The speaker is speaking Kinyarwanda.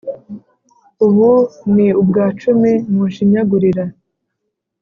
ubu ni ubwa cumi munshinyagurira,